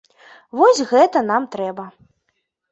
Вось гэта нам трэба.